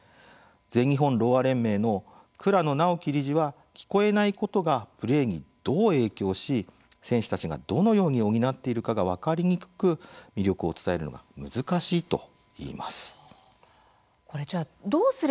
全日本ろうあ連盟の倉野直紀理事は聞こえないことがプレーにどう影響し、選手たちがどのように補っているかが分かりにくく魅力を伝えるのが難しいと言います。